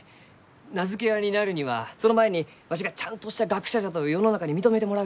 名付け親になるにはその前にわしがちゃんとした学者じゃと世の中に認めてもらう必要がある。